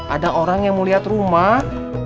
ada orang yang mau lihat rumah